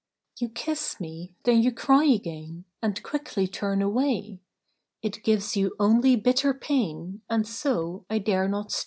"You kiss me, then you cry again, And quickly turn away. It gives you only bitter pain, And so I dare not stay.